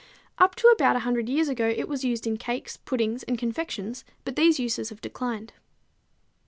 Up to about 100 years ago it was used in cakes, puddings and confections, but these uses have declined.